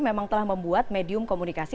memang telah membuat medium komunikasi